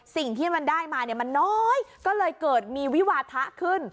สิ่งที่มันได้มาเนี่ยมันน้อยก็เลยเกิดมีวิวาทะขึ้น